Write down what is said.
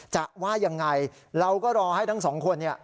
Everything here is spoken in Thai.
ว่ายังไงเราก็รอให้ทั้งสองคนเนี่ย